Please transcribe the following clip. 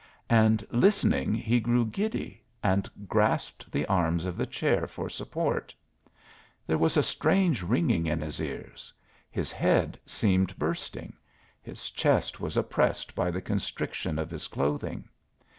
And listening he grew giddy and grasped the arms of the chair for support. There was a strange ringing in his ears; his head seemed bursting; his chest was oppressed by the constriction of his clothing.